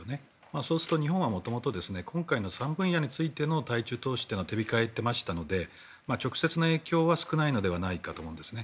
そうすると日本は元々今回の３分野についての対中投資は手控えていましたので直接の影響は少ないのではないかと思うんですね。